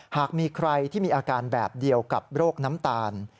หากมีใครที่มีอาการแบบเดียวกับโรคน้ำตาล